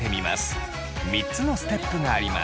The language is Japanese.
３つのステップがあります。